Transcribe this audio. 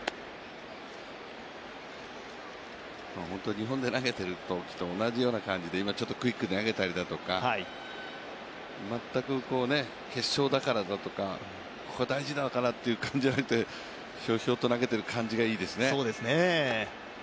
日本で投げてるときと同じような感じで今クイックで投げたりとか決勝だからだとか、ここ大事だからという感じじゃなくて、ひょうひょうと投げている感じがいいですね。